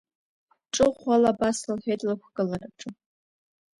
Ҿыӷәӷәала абас лҳәеит лықәгылараҿы…